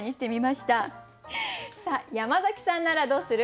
さあ山崎さんならどうする？